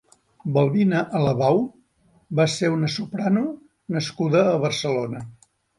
Balbina Alabau va ser una soprano nascuda a Barcelona.